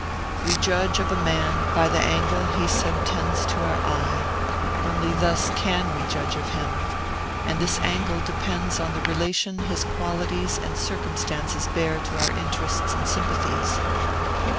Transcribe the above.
We judge of a man by the angle he subtends to our eye only thus CAN we judge of him; and this angle depends on the relation his qualities and circumstances bear to our interests and sympathies.